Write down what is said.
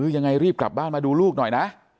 ยังไงรีบกลับบ้านมาดูลูกหน่อยนะ